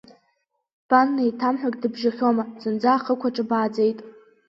Бан неиҭамҳәагь дыбжьахьома, зынӡа ахықәаҿы бааӡеит!